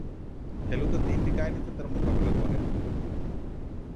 ফেলুদা তিনটি কাহিনীতে তার মোকাবিলা করে।